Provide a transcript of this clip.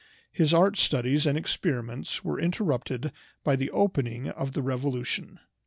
His art studies and experiments were interrupted by the opening of the Revolution.